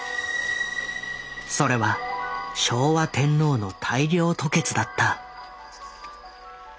それは昭和天皇の大量吐血だった。